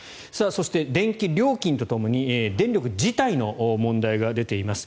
そして、電気料金とともに電力自体の問題が出ています。